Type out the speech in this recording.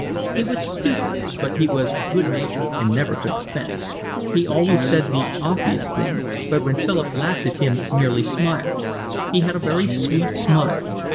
He was stupid, but he was good humoured and never took offence; he always said the obvious thing, but when Philip laughed at him merely smiled. He had a very sweet smile.